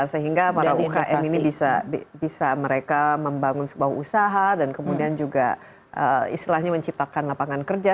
sehingga para ukm ini bisa mereka membangun sebuah usaha dan kemudian juga istilahnya menciptakan lapangan kerja